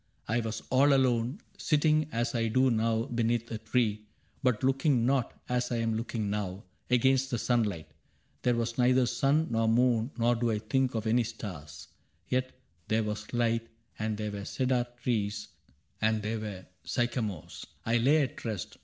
I was all alone. Sitting as I do now beneath a tree. But looking not, as I am looking now. Against the sunlight. There was neither sun Nor moon, nor do I think of any stars ; Yet there was light, and there were cedar trees, And there were sycamores. I lay at rest.